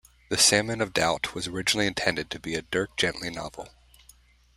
"The Salmon of Doubt" was originally intended to be a Dirk Gently novel.